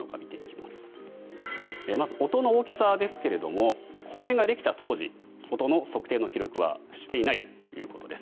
まず音の大きさですが公園ができた当時音の測定の記録はしていないということです。